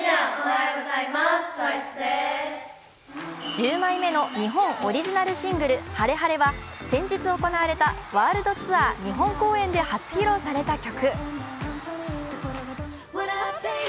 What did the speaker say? １０枚目の日本オリジナルシングル「ＨａｒｅＨａｒｅ」は先日行われたワールドツアー日本公演で初披露された曲。